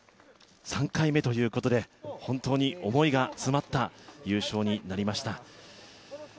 ３回目ということで本当に思いが詰まった優勝になりました。